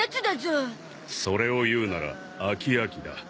それを言うなら「飽き飽き」だ。